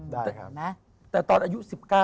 ได้ครับแต่ตอนอายุ๑๙